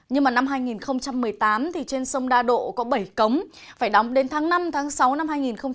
nhưng mà năm hai nghìn một mươi tám thì trên sông đa độ có bảy cống phải đóng đến tháng năm tháng sáu năm hai nghìn một mươi chín